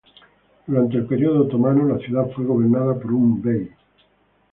Durante el período otomano, la ciudad fue gobernada por un Bey.